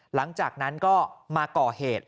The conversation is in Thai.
หลังจากนั้นก็มาก่อเหตุ